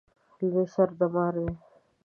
لوی سر د مار دی